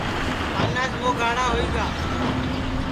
پاناس موھ گاھڑا ہوئی گا